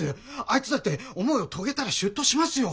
あいつだって思いを遂げたら出頭しますよ。